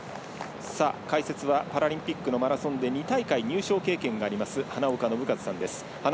解説はパラリンピックのマラソンで２大会入賞経験がある花岡伸和さんです。